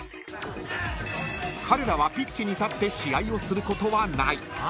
［彼らはピッチに立って試合をすることはない］